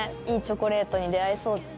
いいチョコレートに出合えそう。